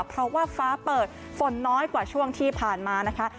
เพราะว่าฟ้าเปิดฝนน้อยกว่าช่วงที่ผ่านมานะคะ